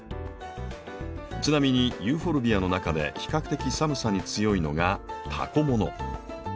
ちなみにユーフォルビアの中で比較的寒さに強いのがタコ物。